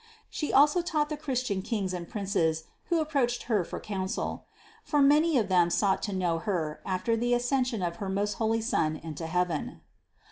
She also taught the Christian kings and princes who approached Her for counsel ; for many of them sought to know Her after the Ascension of her most holy Son into heaven.